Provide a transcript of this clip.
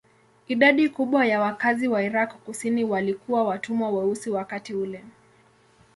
Idadi kubwa ya wakazi wa Irak kusini walikuwa watumwa weusi wakati ule.